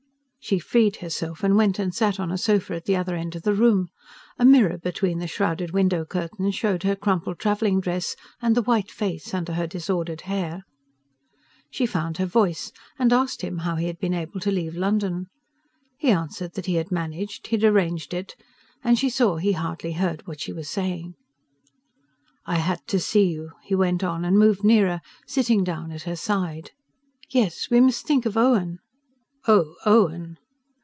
She freed herself and went and sat on a sofa at the other end of the room. A mirror between the shrouded window curtains showed her crumpled travelling dress and the white face under her disordered hair. She found her voice, and asked him how he had been able to leave London. He answered that he had managed he'd arranged it; and she saw he hardly heard what she was saying. "I had to see you," he went on, and moved nearer, sitting down at her side. "Yes; we must think of Owen " "Oh, Owen